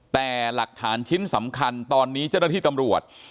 แต่หลักฐานชิ้นสำคัญตอนนี้เจ้าหน้าที่ตำรวจ